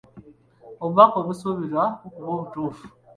Obubaka busuubirwa okuba obutuufu.